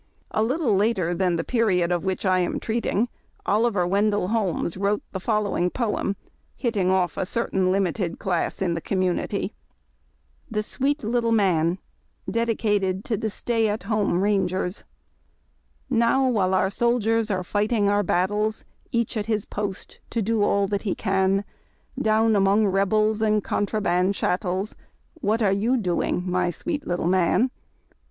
A little later than the period of winch I am treating, Oliver Wendell Holmes wrote the following poem, hitting off a certain limited class in the community :— THE JSWEET LITTLE MAX. Dedicated to the Stay at Hoiiie liuiiyers. Now while our soldiers are fighting our battles, Each at his post to do all that he can, Down among Rebels and contraband chattels, What are you doing, my sweet little man?